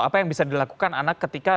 apa yang bisa dilakukan anak ketika